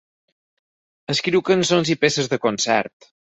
Escriu cançons i peces de concert.